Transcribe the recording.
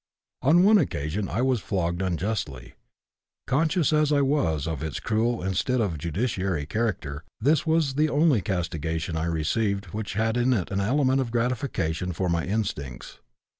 On one occasion I was flogged unjustly; conscious as I was of its cruel instead of judiciary character, this was the only castigation I received which had in it an element of gratification for my instincts.